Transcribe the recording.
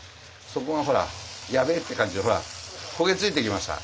底がほらやべえって感じでほら焦げ付いてきました。